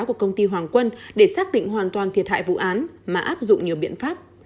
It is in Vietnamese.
của công ty hoàng quân để xác định hoàn toàn thiệt hại vụ án mà áp dụng nhiều biện pháp